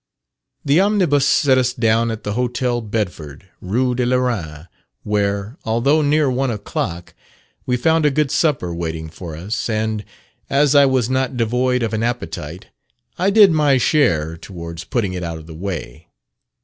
The omnibus set us down at the hotel Bedford, Rue de L'Arend, where, although near one o'clock, we found a good supper waiting for us; and, as I was not devoid of an appetite, I did my share towards putting it out of the way.